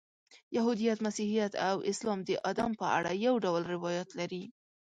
یهودیت، مسیحیت او اسلام د آدم په اړه یو ډول روایات لري.